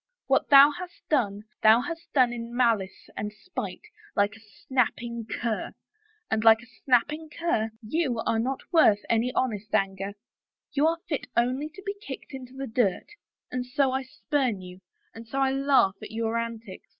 What thou hast done thou hast done in malice and spite, like a snapping cur, and, like a snapping cur, you are not worth an honest anger ; you are fit only to be kicked into the dirt and so I spurn you, and so I laugh at your antics